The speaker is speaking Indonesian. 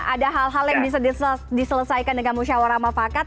ada hal hal yang bisa diselesaikan dengan musyawarah mufakat